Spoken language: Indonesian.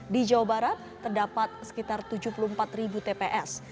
di jawa barat terdapat sekitar tujuh puluh empat ribu tps